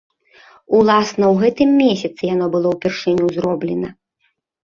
Уласна ў гэтым месяцы яно было ўпершыню зроблена.